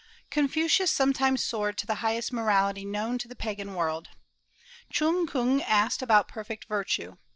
Confucius sometimes soared to the highest morality known to the Pagan world. Chung kung asked about perfect virtue.